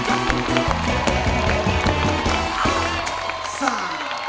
อาหารซ่า